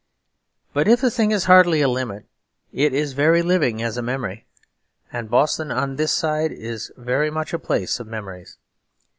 But if the thing is hardly a limit it is very living as a memory; and Boston on this side is very much a place of memories.